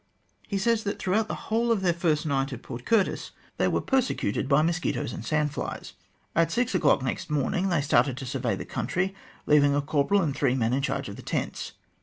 He says that throughout the whole of their first night at Port Curtis they were persecuted by 12 THE GLADSTONE COLONY mosquitoes and sand flies. At six o'clock next morning they started to survey the country, leaving a corporal and three men in charge of the tents.